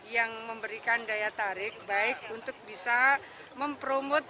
yang memberikan daya tarik baik untuk bisa mempromot